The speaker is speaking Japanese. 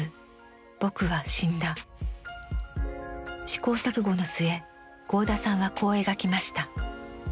試行錯誤の末合田さんはこう描きました。